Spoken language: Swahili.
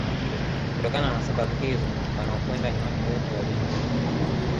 Kutokana na sababu hizo wanaokwenda ni watu wote wa dini zote